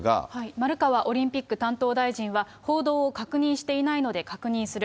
丸川オリンピック担当大臣は、報道を確認していないので確認する。